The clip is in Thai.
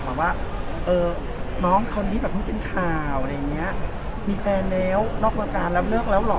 บอกมาว่าน้องคนนี้ไม่เป็นข่าวอะไรอย่างนี้มีแฟนแล้วนอกลงการแล้วเลือกแล้วหรอ